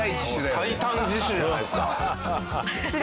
最短自首じゃないですか。